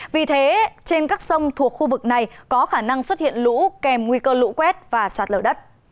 vì thế trên các sông thuộc khu vực này có khả năng xuất hiện lũ kèm nguy cơ lũ quét và sạt lở đất